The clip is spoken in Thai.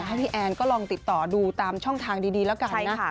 ให้พี่แอนก็ลองติดต่อดูตามช่องทางดีแล้วกันนะ